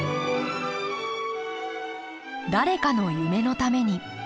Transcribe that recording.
誰かの夢のために。